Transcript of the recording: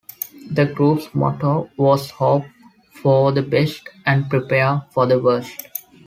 The group's motto was "hope for the best and prepare for the worst".